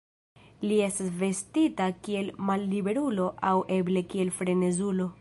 Li estas vestita kiel malliberulo aŭ eble kiel frenezulo.